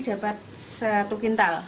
dapat satu kuintal